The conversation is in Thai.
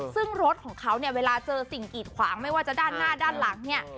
ซึ่งรถของเขาเนี่ยเวลาเจอสิ่งกีดขวางไม่ว่าจะด้านหน้าด้านหลังเนี่ย